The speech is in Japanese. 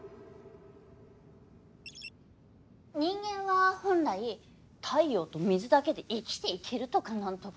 人間は本来太陽と水だけで生きていけるとか何とか。